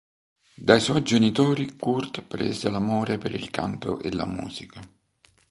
Dai suoi genitori Kurt prese l'amore per il canto e la musica.